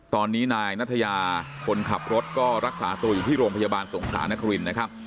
ตอนนี้นายนัทยาคนขับรถก็รักษาตัวอยู่ที่โรงพยาบาลสงขลานครินนะครับ